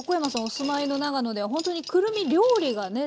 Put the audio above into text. お住まいの長野ではほんとにくるみ料理がね